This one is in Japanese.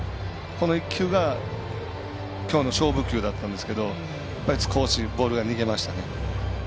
この１球が今日の勝負球だったんですが少しボールが逃げましたね。